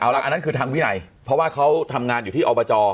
อันนั้นคือทางวินัยเพราะว่าเขาทำงานอยู่ที่อบจ